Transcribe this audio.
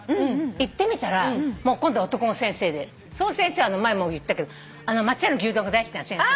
行ってみたら今度は男の先生でその先生前も言ったけど松屋の牛丼が大好きな先生ね。